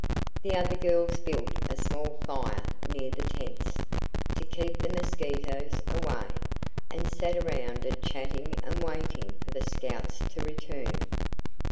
The other girls built a small fire near the tents, to keep the mosquitos away, and sat around it chatting and waited for the scouts to return.